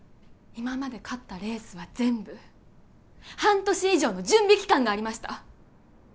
今まで勝ったレースは全部半年以上の準備期間がありました